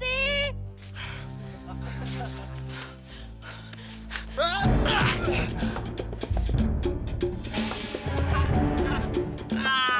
yah mau apa